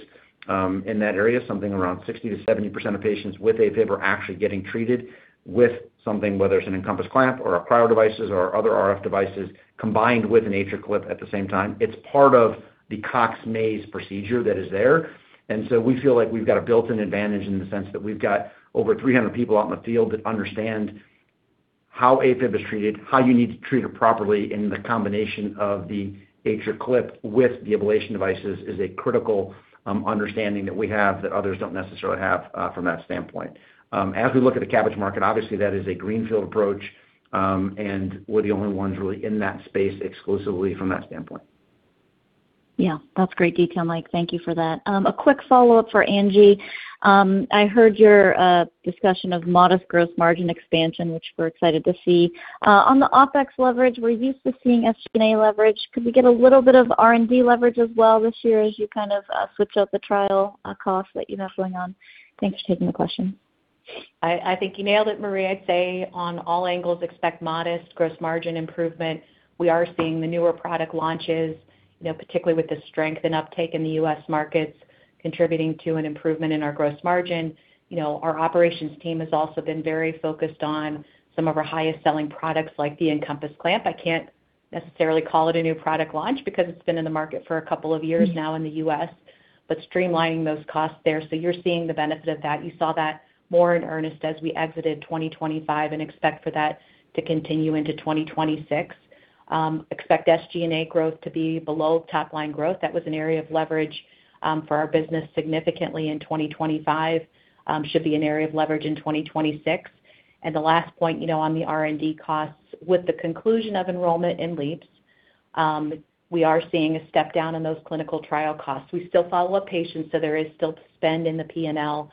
In that area, something around 60%-70% of patients with AFib are actually getting treated with something, whether it's an EnCompass Clamp or our prior devices or other RF devices, combined with an AtriClip at the same time. It's part of the Cox-Maze procedure that is there. And so we feel like we've got a built-in advantage in the sense that we've got over 300 people out in the field that understand how AFib is treated, how you need to treat it properly, and the combination of the AtriClip with the ablation devices is a critical understanding that we have that others don't necessarily have from that standpoint. As we look at the CABG market, obviously, that is a greenfield approach, and we're the only ones really in that space exclusively from that standpoint.
Yeah, that's great detail, Mike. Thank you for that. A quick follow-up for Angie. I heard your discussion of modest growth margin expansion, which we're excited to see. On the OpEx leverage, we're used to seeing SG&A leverage. Could we get a little bit of R&D leverage as well this year as you kind of switch out the trial costs that you have going on? Thanks for taking the question.
I think you nailed it, Marie. I'd say on all angles, expect modest gross margin improvement. We are seeing the newer product launches, you know, particularly with the strength and uptake in the U.S. markets, contributing to an improvement in our gross margin. You know, our operations team has also been very focused on some of our highest-selling products, like the EnCompass Clamp. I can't necessarily call it a new product launch because it's been in the market for a couple of years now in the U.S., but streamlining those costs there. So you're seeing the benefit of that. You saw that more in earnest as we exited 2025 and expect for that to continue into 2026. Expect SG&A growth to be below top-line growth. That was an area of leverage for our business significantly in 2025. Should be an area of leverage in 2026. And the last point, you know, on the R&D costs, with the conclusion of enrollment in LeAAPS, we are seeing a step down in those clinical trial costs. We still follow up patients, so there is still spend in the P&L.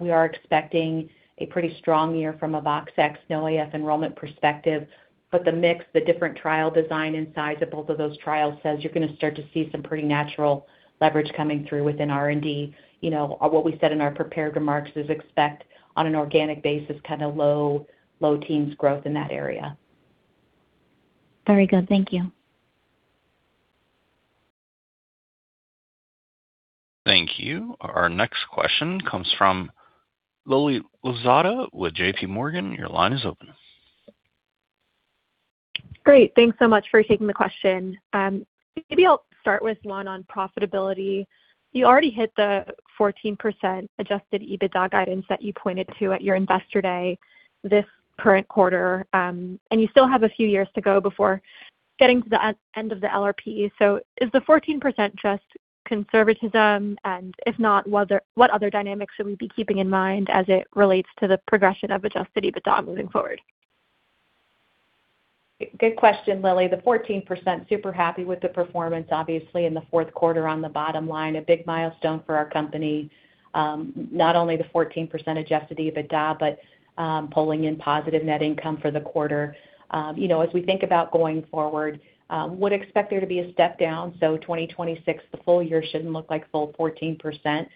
We are expecting a pretty strong year from a BoxX-NoAF enrollment perspective, but the mix, the different trial design and size of both of those trials says you're going to start to see some pretty natural leverage coming through within R&D. You know, what we said in our prepared remarks is expect on an organic basis, kind of low teens growth in that area.
Very good. Thank you.
Thank you. Our next question comes from Lily Lozada with JPMorgan. Your line is open....
Great. Thanks so much for taking the question. Maybe I'll start with one on profitability. You already hit the 14% adjusted EBITDA guidance that you pointed to at your investor day this current quarter, and you still have a few years to go before getting to the end of the LRP. So is the 14% just conservatism? And if not, what other dynamics should we be keeping in mind as it relates to the progression of adjusted EBITDA moving forward?
Good question, Lily. The 14%, super happy with the performance, obviously in the fourth quarter on the bottom line, a big milestone for our company. Not only the 14% adjusted EBITDA, but pulling in positive net income for the quarter. You know, as we think about going forward, would expect there to be a step down. So 2026, the full year shouldn't look like full 14%,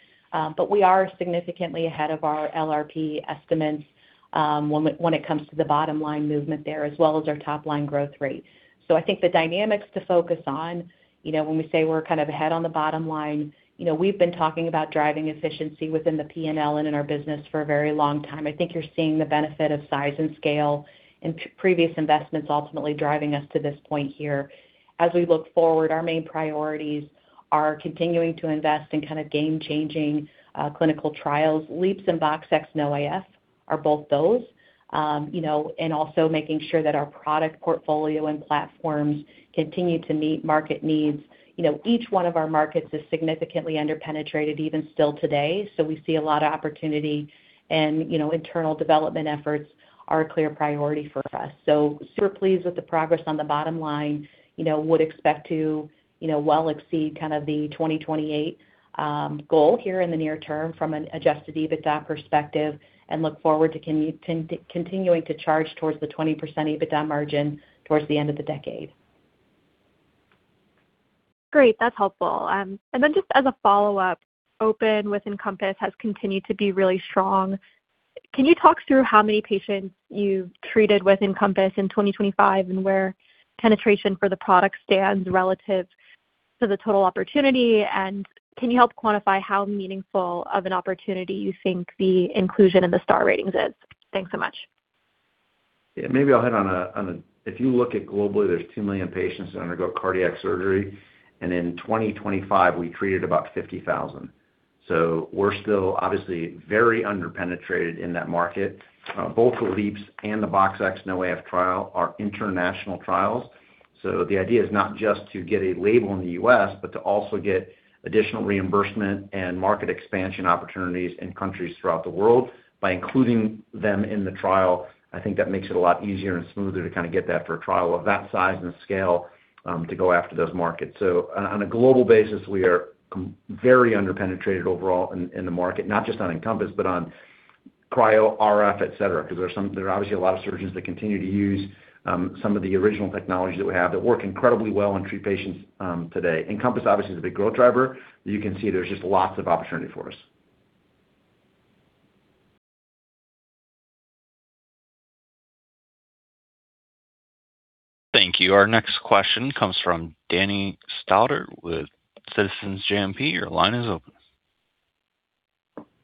but we are significantly ahead of our LRP estimates, when it comes to the bottom line movement there, as well as our top line growth rate. So I think the dynamics to focus on, you know, when we say we're kind of ahead on the bottom line, you know, we've been talking about driving efficiency within the P&L and in our business for a very long time. I think you're seeing the benefit of size and scale and previous investments ultimately driving us to this point here. As we look forward, our main priorities are continuing to invest in kind of game-changing clinical trials. LeAAPS and BoxX-NoAF are both those. You know, and also making sure that our product portfolio and platforms continue to meet market needs. You know, each one of our markets is significantly underpenetrated, even still today. So we see a lot of opportunity and, you know, internal development efforts are a clear priority for us. So super pleased with the progress on the bottom line. You know, would expect to, you know, well exceed kind of the 2028 goal here in the near term from an adjusted EBITDA perspective and look forward to continuing to charge towards the 20% EBITDA margin towards the end of the decade.
Great, that's helpful. And then just as a follow-up, our EnCompass has continued to be really strong. Can you talk through how many patients you've treated with EnCompass in 2025, and where penetration for the product stands relative to the total opportunity? And can you help quantify how meaningful of an opportunity you think the inclusion in the star ratings is? Thanks so much.
Yeah, maybe I'll hit on a-- If you look at globally, there's 2 million patients that undergo cardiac surgery, and in 2025, we treated about 50,000. So we're still obviously very underpenetrated in that market. Both the LeAAPS and the BoxX-NoAF trial are international trials. So the idea is not just to get a label in the U.S., but to also get additional reimbursement and market expansion opportunities in countries throughout the world. By including them in the trial, I think that makes it a lot easier and smoother to kind of get that for a trial of that size and scale, to go after those markets. So on a global basis, we are very underpenetrated overall in the market, not just on EnCompass, but on cryo, RF, et cetera, because there are obviously a lot of surgeons that continue to use some of the original technologies that we have that work incredibly well and treat patients today. EnCompass, obviously, is a big growth driver. You can see there's just lots of opportunity for us.
Thank you. Our next question comes from Danny Stauder with Citizens JMP. Your line is open.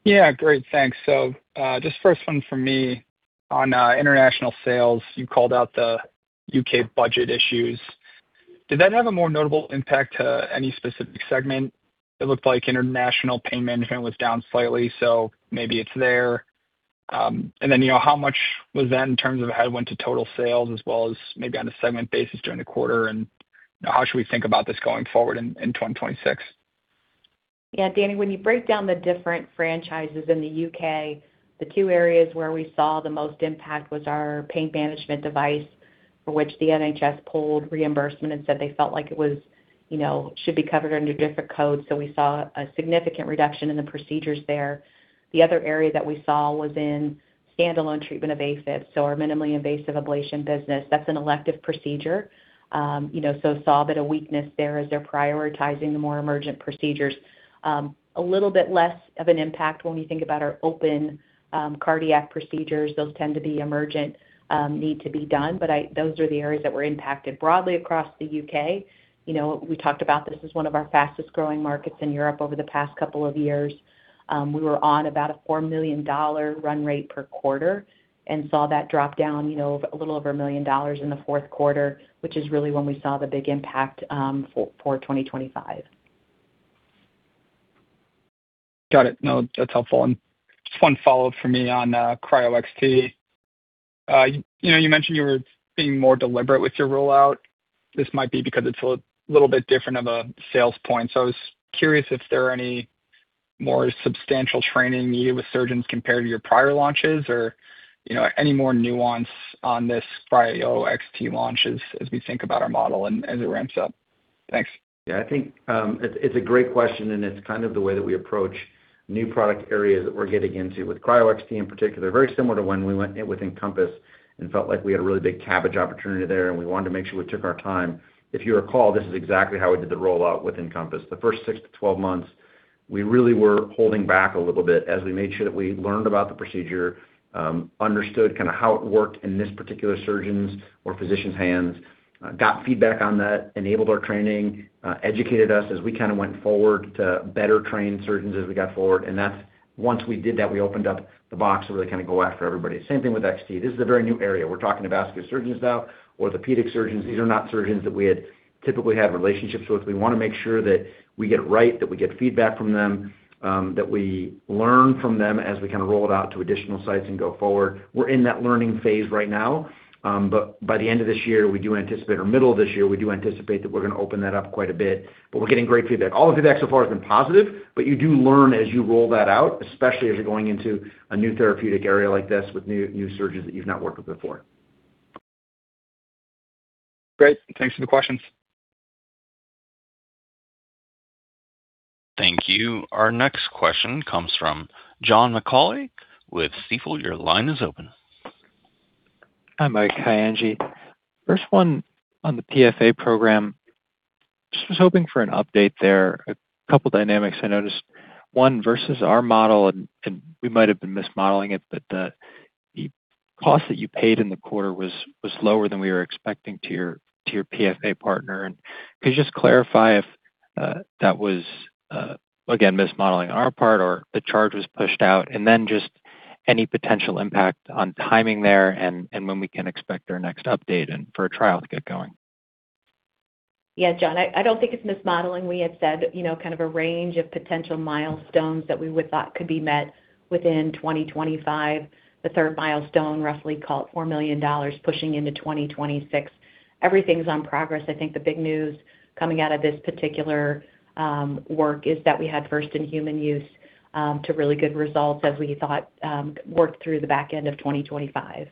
Yeah, great, thanks. So, just first one from me on international sales. You called out the U.K. budget issues. Did that have a more notable impact to any specific segment? It looked like international pain management was down slightly, so maybe it's there. And then, you know, how much was that in terms of how it went to total sales as well as maybe on a segment basis during the quarter? And how should we think about this going forward in 2026?
Yeah, Danny, when you break down the different franchises in the U.K., the two areas where we saw the most impact was our pain management device, for which the NHS pulled reimbursement and said they felt like it was, you know, should be covered under different codes. So we saw a significant reduction in the procedures there. The other area that we saw was in standalone treatment of AFib, so our minimally invasive ablation business. That's an elective procedure. You know, so saw a bit of weakness there as they're prioritizing the more emergent procedures. A little bit less of an impact when we think about our open cardiac procedures. Those tend to be emergent, need to be done, but those are the areas that were impacted broadly across the U.K. You know, we talked about this is one of our fastest-growing markets in Europe over the past couple of years. We were on about a $4 million run rate per quarter and saw that drop down, you know, a little over $1 million in the fourth quarter, which is really when we saw the big impact, for, for 2025.
Got it. No, that's helpful. And just one follow-up for me on cryoXT. You know, you mentioned you were being more deliberate with your rollout. This might be because it's a little bit different of a sales point. So I was curious if there are any more substantial training needed with surgeons compared to your prior launches, or, you know, any more nuance on this cryoXT launches as we think about our model and as it ramps up? Thanks.
Yeah, I think, it's, it's a great question, and it's kind of the way that we approach new product areas that we're getting into with cryoXT in particular. Very similar to when we went in with EnCompass and felt like we had a really big CABG opportunity there, and we wanted to make sure we took our time. If you recall, this is exactly how we did the rollout with EnCompass. The first six to 12 months, we really were holding back a little bit as we made sure that we learned about the procedure, understood kind of how it worked in this particular surgeon's or physician's hands, got feedback on that, enabled our training, educated us as we kind of went forward to better train surgeons as we got forward. That's once we did that, we opened up the box to really kind of go after everybody. Same thing with XT. This is a very new area. We're talking to vascular surgeons now, orthopedic surgeons. These are not surgeons that we had typically had relationships with. We want to make sure that we get it right, that we get feedback from them, that we learn from them as we kind of roll it out to additional sites and go forward. We're in that learning phase right now, but by the end of this year or middle of this year, we do anticipate that we're going to open that up quite a bit, but we're getting great feedback. All the feedback so far has been positive, but you do learn as you roll that out, especially as you're going into a new therapeutic area like this with new surgeons that you've not worked with before.
Great. Thanks for the questions.
Thank you. Our next question comes from John McAulay with Stifel. Your line is open.
Hi, Mike. Hi, Angie. First one, on the PFA program, just was hoping for an update there. A couple dynamics I noticed, one, versus our model, and we might have been mismodeling it, but the cost that you paid in the quarter was lower than we were expecting to your PFA partner. And could you just clarify if that was again mismodeling on our part or the charge was pushed out? And then just any potential impact on timing there and when we can expect our next update and for a trial to get going.
Yeah, John, I don't think it's mismodeling. We had said, you know, kind of a range of potential milestones that we would thought could be met within 2025. The third milestone, roughly call it $4 million, pushing into 2026. Everything's on progress. I think the big news coming out of this particular work is that we had first in human use to really good results as we thought, worked through the back end of 2025.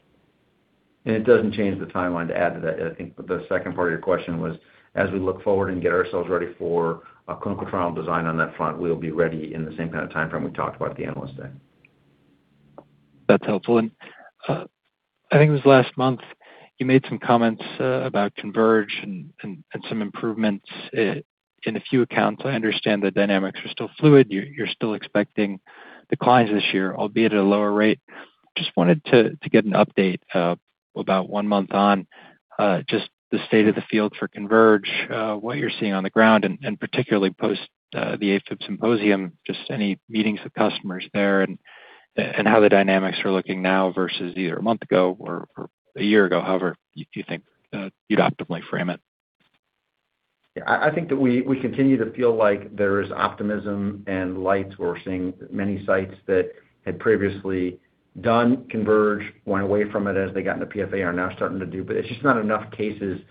It doesn't change the timeline to add to that. I think the second part of your question was, as we look forward and get ourselves ready for a clinical trial design on that front, we'll be ready in the same kind of timeframe we talked about at the analyst day.
That's helpful. And I think it was last month, you made some comments about CONVERGE and some improvements in a few accounts. I understand the dynamics are still fluid. You're still expecting declines this year, albeit at a lower rate. Just wanted to get an update about one month on, just the state of the field for CONVERGE, what you're seeing on the ground and particularly post the AFib symposium, just any meetings with customers there and how the dynamics are looking now versus either a month ago or a year ago, however you think you'd optimally frame it.
Yeah, I think that we continue to feel like there is optimism and light. We're seeing many sites that had previously done CONVERGE, went away from it as they got into PFA, are now starting to do, but it's just not enough cases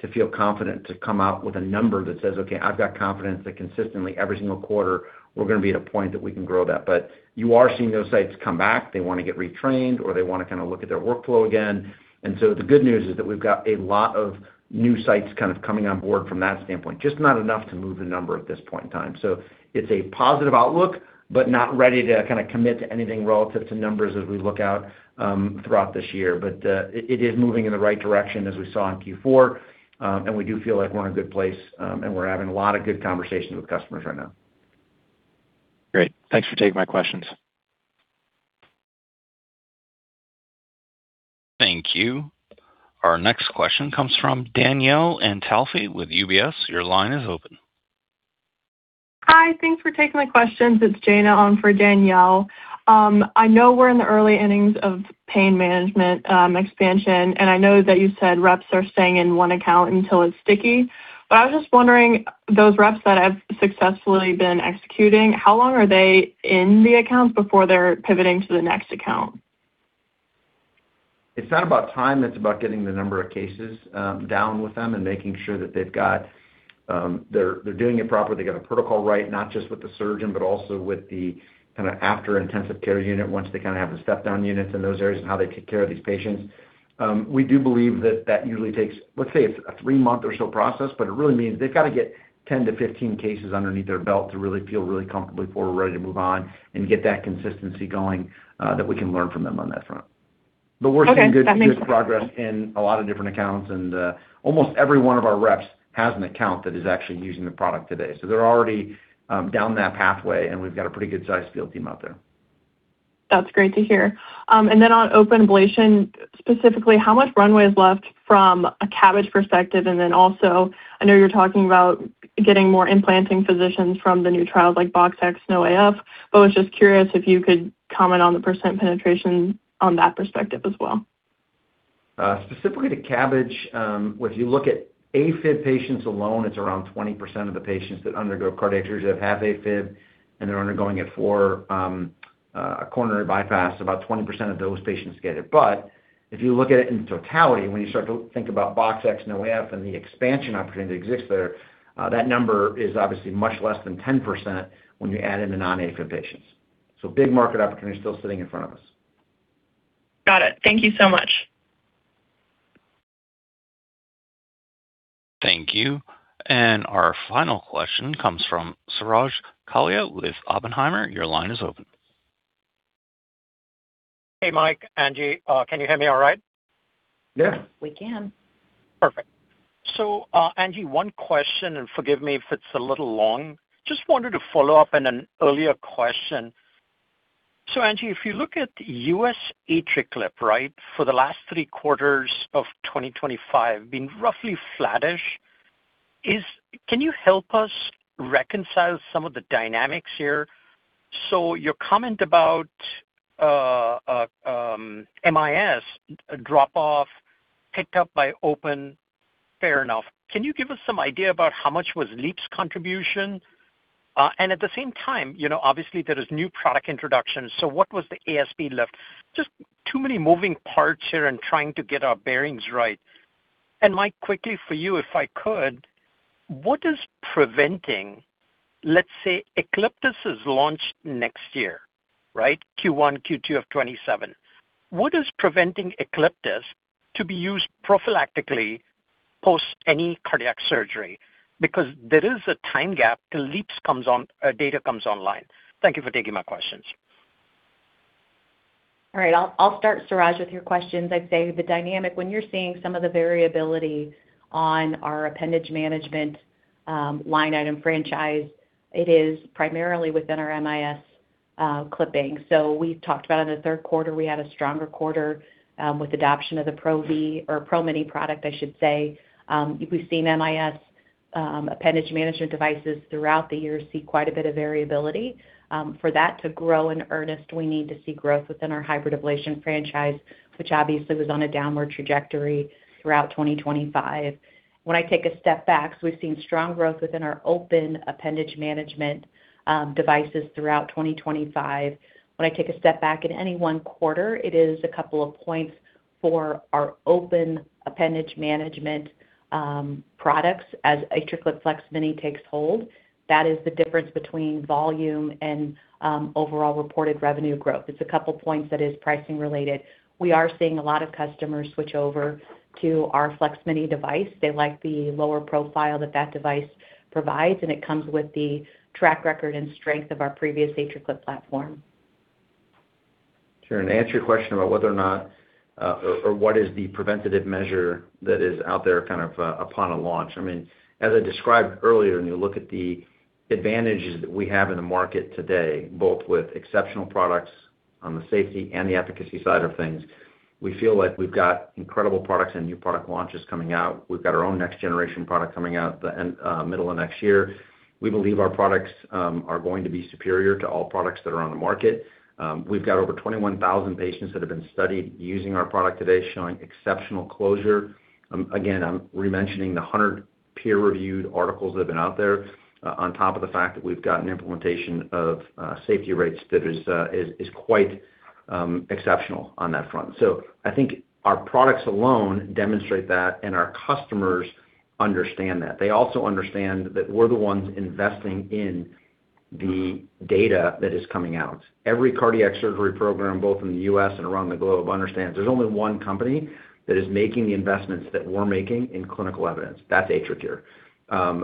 to feel confident to come out with a number that says, "Okay, I've got confidence that consistently, every single quarter, we're going to be at a point that we can grow that." But you are seeing those sites come back. They want to get retrained, or they want to kind of look at their workflow again. And so the good news is that we've got a lot of new sites kind of coming on board from that standpoint, just not enough to move the number at this point in time. So it's a positive outlook, but not ready to kind of commit to anything relative to numbers as we look out throughout this year. But it is moving in the right direction, as we saw in Q4, and we do feel like we're in a good place, and we're having a lot of good conversations with customers right now.
Great. Thanks for taking my questions.
Thank you. Our next question comes from Danielle Antalffy with UBS. Your line is open.
Hi, thanks for taking my questions. It's Jana on for Danielle. I know we're in the early innings of pain management, expansion, and I know that you said reps are staying in one account until it's sticky. But I was just wondering, those reps that have successfully been executing, how long are they in the accounts before they're pivoting to the next account?
It's not about time, it's about getting the number of cases down with them and making sure that they've got... They're doing it properly, they got the protocol right, not just with the surgeon, but also with the kind of after intensive care unit, once they kind of have the step-down units in those areas and how they take care of these patients. We do believe that that usually takes, let's say, a three-month or so process, but it really means they've got to get 10-15 cases underneath their belt to really feel really comfortable before we're ready to move on and get that consistency going, that we can learn from them on that front.
Okay.
We're making good, good progress in a lot of different accounts, and almost every one of our reps has an account that is actually using the product today. So they're already down that pathway, and we've got a pretty good-sized field team out there.
That's great to hear. And then on open ablation, specifically, how much runway is left from a CABG perspective? Also, I know you're talking about getting more implanting physicians from the new trials like BoxX-NoAF, but I was just curious if you could comment on the percent penetration on that perspective as well.
Specifically to CABG, if you look at AFib patients alone, it's around 20% of the patients that undergo cardiac surgery that have AFib, and they're undergoing it for a coronary bypass. About 20% of those patients get it. But if you look at it in totality, when you start to think about BoxX-NoAF, and the expansion opportunity that exists there, that number is obviously much less than 10% when you add in the non-AFib patients. So big market opportunity still sitting in front of us.
Got it. Thank you so much.
Thank you. And our final question comes from Suraj Kalia with Oppenheimer. Your line is open.
Hey, Mike, Angie, can you hear me all right?
Yeah.
We can.
Perfect. So, Angie, one question, and forgive me if it's a little long. Just wanted to follow up on an earlier question. So Angie, if you look at U.S. AtriClip, right, for the last three quarters of 2025, been roughly flattish. Is, can you help us reconcile some of the dynamics here? So your comment about, MIS drop off, picked up by open, fair enough. Can you give us some idea about how much was LeAAPS contribution? And at the same time, you know, obviously, there is new product introduction, so what was the ASP lift? Just too many moving parts here and trying to get our bearings right. And Mike, quickly for you, if I could, what is preventing, let's say, Eclyptus is launched next year, right? Q1, Q2 of 2027. What is preventing Eclyptus to be used prophylactically post any cardiac surgery? Because there is a time gap till LeAAPS comes on, data comes online. Thank you for taking my questions.
All right, I'll start, Suraj, with your questions. I'd say the dynamic, when you're seeing some of the variability on our appendage management line item franchise, it is primarily within our MIS clipping. So we talked about, in the third quarter, we had a stronger quarter with adoption of the PRO or PRO-Mini product, I should say. We've seen MIS appendage management devices throughout the year see quite a bit of variability. For that to grow in earnest, we need to see growth within our hybrid ablation franchise, which obviously was on a downward trajectory throughout 2025. When I take a step back, so we've seen strong growth within our open appendage management devices throughout 2025. When I take a step back in any one quarter, it is a couple of points for our open appendage management, products, as AtriClip FLEX-MINI takes hold. That is the difference between volume and, overall reported revenue growth. It's a couple points that is pricing related. We are seeing a lot of customers switch over to our FLEX-MINI device. They like the lower profile that that device provides, and it comes with the track record and strength of our previous AtriClip platform.
Sure. And to answer your question about whether or not, or what is the preventative measure that is out there kind of, upon a launch. I mean, as I described earlier, when you look at the advantages that we have in the market today, both with exceptional products on the safety and the efficacy side of things, we feel like we've got incredible products and new product launches coming out. We've got our own next generation product coming out the end, middle of next year. We believe our products, are going to be superior to all products that are on the market. We've got over 21,000 patients that have been studied using our product today, showing exceptional closure. Again, I'm rementioning the 100 peer-reviewed articles that have been out there, on top of the fact that we've got an implementation of safety rates that is quite exceptional on that front. So I think our products alone demonstrate that, and our customers understand that. They also understand that we're the ones investing in the data that is coming out. Every cardiac surgery program, both in the U.S. and around the globe, understands there's only one company that is making the investments that we're making in clinical evidence. That's AtriCure.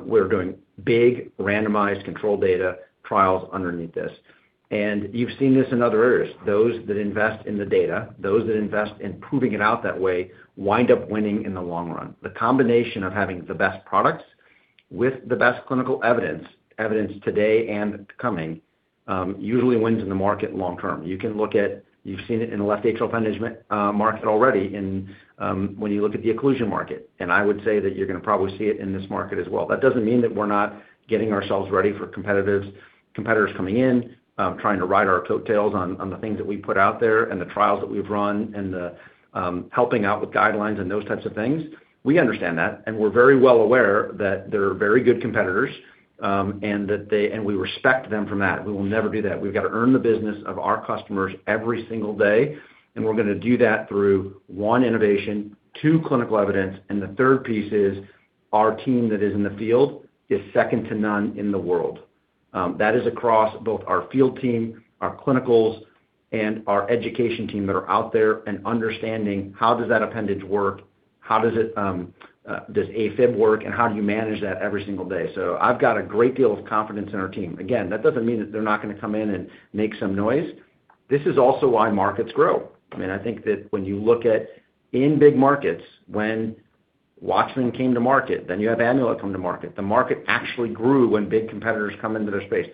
We're doing big, randomized, controlled data trials underneath this. And you've seen this in other areas. Those that invest in the data, those that invest in proving it out that way, wind up winning in the long run. The combination of having the best products with the best clinical evidence, evidence today and coming, usually wins in the market long term. You can look at... You've seen it in the left atrial management market already in, when you look at the occlusion market, and I would say that you're gonna probably see it in this market as well. That doesn't mean that we're not getting ourselves ready for competitors coming in, trying to ride our coattails on, on the things that we put out there and the trials that we've run and the, helping out with guidelines and those types of things. We understand that, and we're very well aware that there are very good competitors, and that they-- and we respect them from that. We will never do that. We've got to earn the business of our customers every single day, and we're gonna do that through, one, innovation, two, clinical evidence, and the third piece is our team that is in the field is second to none in the world. That is across both our field team, our clinicals, and our education team that are out there and understanding how does that appendage work, how does it, does AFib work, and how do you manage that every single day? So I've got a great deal of confidence in our team. Again, that doesn't mean that they're not gonna come in and make some noise. This is also why markets grow. I mean, I think that when you look at in big markets, when Watchman came to market, then you have Amplatzer come to market. The market actually grew when big competitors come into their space.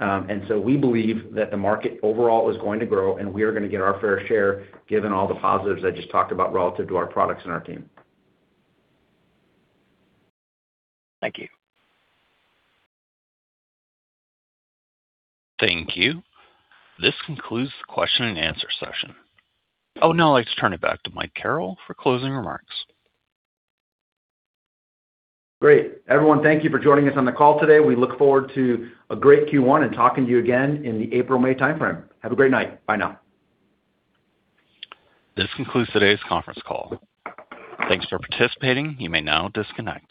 And so we believe that the market overall is going to grow, and we are gonna get our fair share, given all the positives I just talked about relative to our products and our team.
Thank you.
Thank you. This concludes the question and answer session. I would now like to turn it back to Mike Carrel for closing remarks.
Great. Everyone, thank you for joining us on the call today. We look forward to a great Q1 and talking to you again in the April-May timeframe. Have a great night. Bye now.
This concludes today's conference call. Thank you for participating. You may now disconnect.